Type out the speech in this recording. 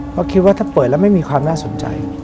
เพราะคิดว่าถ้าเปิดแล้วไม่มีความน่าสนใจ